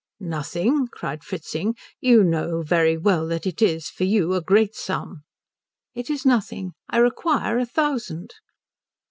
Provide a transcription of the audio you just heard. "Nothing?" cried Fritzing. "You know very well that it is, for you, a great sum." "It is nothing. I require a thousand."